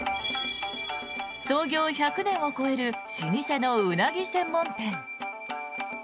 創業１００年を超える老舗のウナギ専門店。